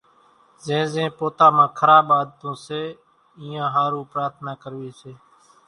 زين زين پوتا مان کراٻ عادتون سي اينيان ۿارُو پرارٿنا ڪروي سي،